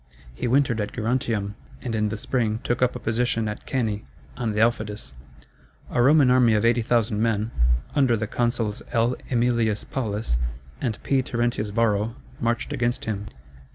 He wintered at Gerontium, and in the spring took up a position at Cannæ, on the Aufidus. A Roman army of 80,000 men, under the consuls L. Æmilius Paulus and P. Terentius Varro, marched against him.